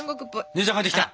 姉ちゃん帰ってきた。